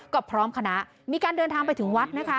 ก็พร้อมคณะมีการเดินทางไปถึงวัดนะคะ